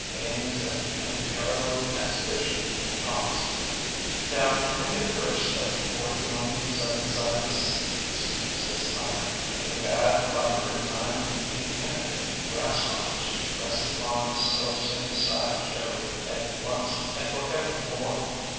Mame is at the Unparalleled Exhibition with Thomas. ŌĆ£ŌĆśNow, may the curse of the forty one seven sided sea cooks, ŌĆÖ says I, ŌĆśand the bad luck of the nine impenitent grasshoppers rest upon this self same sideshow at once and forever more.